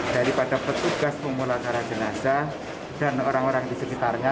daripada petugas pemulasaran jenazah dan orang orang di sekitarnya